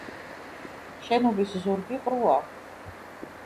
შენობის ზურგი ყრუა.